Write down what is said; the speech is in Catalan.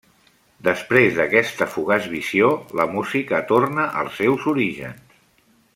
Després d'aquesta fugaç visió, la música torna als seus orígens.